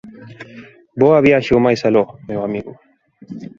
Boa viaxe ao máis aló, meu amigo.